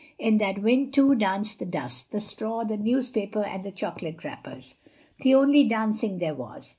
In that wind, too, danced the dust, the straw, the newspaper and the chocolate wrappers. The only dancing there was.